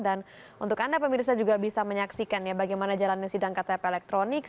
dan untuk anda pemirsa juga bisa menyaksikan ya bagaimana jalannya sidang ktp elektronik